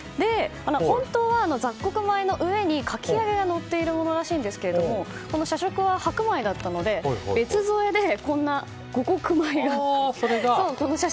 本当は雑穀米の上にかき揚げがのっているものらしいんですけど社食は白米だったので別添えで、こんな五穀米が。